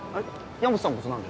大和さんこそ何で？